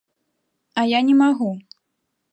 А я не магу.